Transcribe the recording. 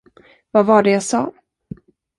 Vad var det jag sa?